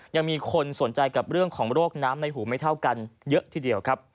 ยังมีคนสนใจกับเรื่องของโรคน้ำในหูไม่เท่ากันเยอะทีเดียวครับ